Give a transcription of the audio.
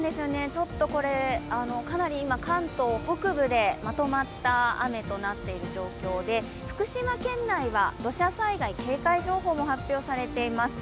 ちょっとこれ、かなり今、関東北部でまとまった雨となっている状況で、福島県内は土砂災害警戒情報も発表されています。